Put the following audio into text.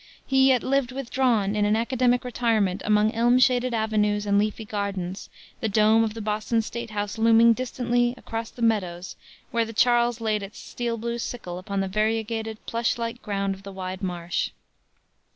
he yet lived withdrawn in an academic retirement among elm shaded avenues and leafy gardens, the dome of the Boston State house looming distantly across the meadows where the Charles laid its "steel blue sickle" upon the variegated, plush like ground of the wide marsh.